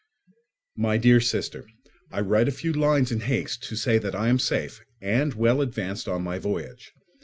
My dear Sister, I write a few lines in haste to say that I am safe—and well advanced on my voyage.